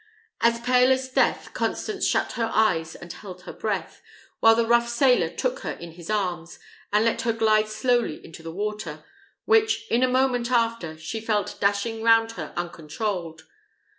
As pale as death, Constance shut her eyes and held her breath, while the rough sailor took her in his arms, and let her glide slowly into the water, which in a moment after she felt dashing round her uncontrolled.